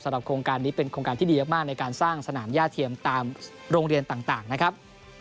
โครงการนี้เป็นโครงการที่ดีมากในการสร้างสนามย่าเทียมตามโรงเรียนต่างนะครับ